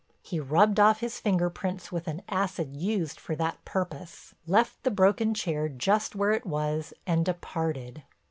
He rubbed off his finger prints with an acid used for that purpose, left the broken chair just where it was and departed.